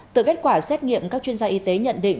từ kết quả xét nghiệm các chuyên gia y tế nhận định